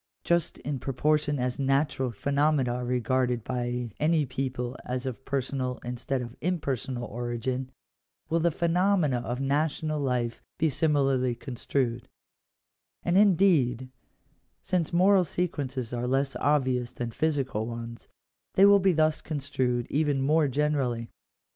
Just in proportion as natural phenomena are regarded by any people as of personal instead of impersonal origin, will the phenomena of national life be similarly construed: and, indeed, since moral sequences are less obvious than physical ones, they will be thus construed even more generally.